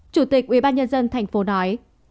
chủ tịch ubnd tp nói